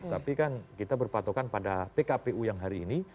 tapi kan kita berpatokan pada pkpu yang hari ini